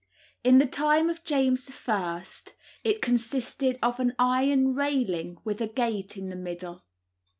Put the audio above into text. In the time of James I. it consisted of an iron railing with a gate in the middle.